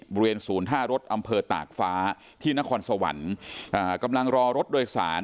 บริเวณศูนย์ท่ารถอำเภอตากฟ้าที่นครสวรรค์กำลังรอรถโดยสาร